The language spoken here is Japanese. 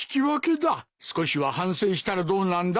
少しは反省したらどうなんだ。